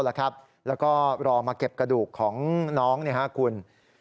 แล้วก็รอมาเก็บกระดูกของน้องนะครับคุณ